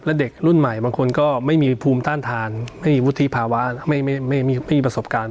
และเด็กรุ่นใหม่บางคนก็ไม่มีภูมิต้านทานไม่มีวุฒิภาวะไม่มีประสบการณ์